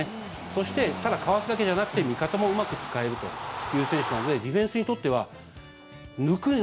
そしてただかわすだけじゃなくて味方もうまく使えるという選手なのでディフェンスにとっては抜くの？